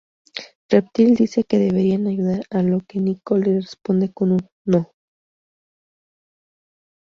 Reptil dice que deberían ayudar a lo que Nico le responde con un "no".